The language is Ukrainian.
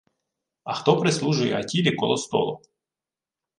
— А хто прислужує Аттілі коло столу?